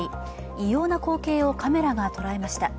異様な光景をカメラが捉えました。